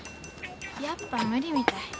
やっぱ無理みたい。